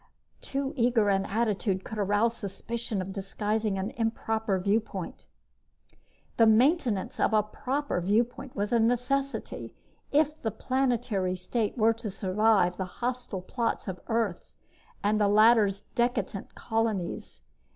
(Too eager an attitude could arouse suspicion of disguising an improper viewpoint.) The maintenance of a proper viewpoint was a necessity if the Planetary State were to survive the hostile plots of Earth and the latter's decadent colonies.